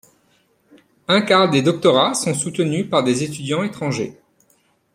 Un quart des doctorats sont soutenus par des étudiants étrangers.